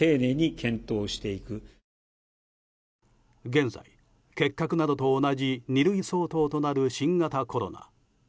現在、結核などと同じ二類相当となる新型コロナ。